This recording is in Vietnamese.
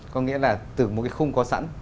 có nghĩa là từ một cái khung có sẵn